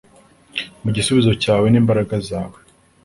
Mu gisubizo cyawe ni imbaraga zawe. ”